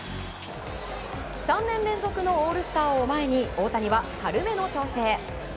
３年連続のオールスターを前に大谷は軽めの調整。